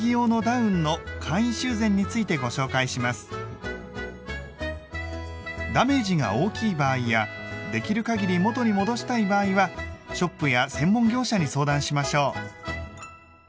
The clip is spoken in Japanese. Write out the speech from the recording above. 今回はダメージが大きい場合やできる限り元に戻したい場合はショップや専門業者に相談しましょう。